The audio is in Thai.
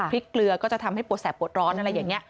เกลือก็จะทำให้ปวดแสบปวดร้อนอะไรอย่างนี้